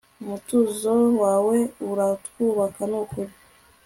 umutuzo wawe uratwubaka nukuri